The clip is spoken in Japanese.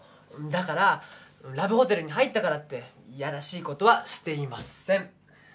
だからラブホテルに入ったからっていやらしいことはしていません。